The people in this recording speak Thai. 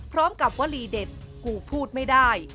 พร้อมกับว่าลีเด็ดกูพูดไม่ได้